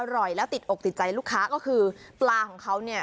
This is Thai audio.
อร่อยแล้วติดอกติดใจลูกค้าก็คือปลาของเขาเนี่ย